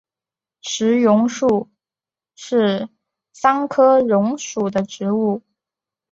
石榕树是桑科榕属的植物。